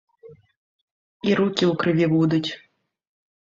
І рукі ў крыві будуць.